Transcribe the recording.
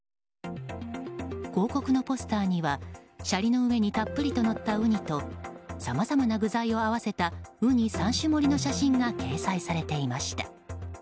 広告のポスターにはシャリの上にたっぷりとのったウニとさまざまな具材を合わせたウニ３種盛りの写真が掲載されていました。